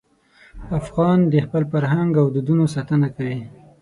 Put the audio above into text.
افغان د خپل فرهنګ او دودونو ساتنه کوي.